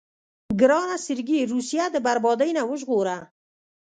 ګرانه سرګي روسيه د بربادۍ نه وژغوره.